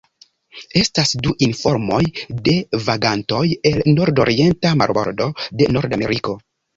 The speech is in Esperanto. Estas du informoj de vagantoj el nordorienta marbordo de Nordameriko.